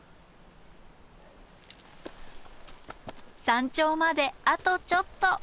山頂まであとちょっと。